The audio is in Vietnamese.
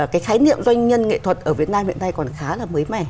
cái khái niệm doanh nhân nghệ thuật ở việt nam hiện nay còn khá là mới mẻ